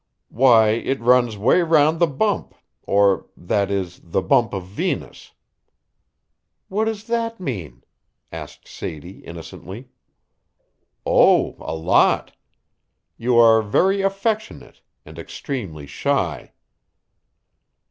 "Why it runs 'way round the bump, or, that is the bump of Venus." "What does that mean?" asked Sadie innocently. "Oh, a lot. You are very affectionate and extremely shy."